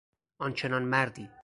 آن چنان مردی